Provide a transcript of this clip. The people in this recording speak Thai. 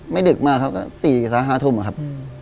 ดึกมากครับก็๔๕ทุ่มครับ